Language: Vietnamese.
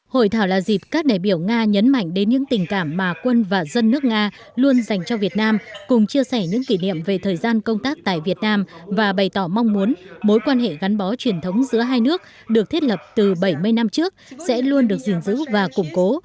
hội thảo là dịp các đại biểu nga nhấn mạnh đến những tình cảm mà quân và dân nước nga luôn dành cho việt nam cùng chia sẻ những kỷ niệm về thời gian công tác tại việt nam và bày tỏ mong muốn mối quan hệ gắn bó truyền thống giữa hai nước được thiết lập từ bảy mươi năm trước sẽ luôn được gìn giữ và củng cố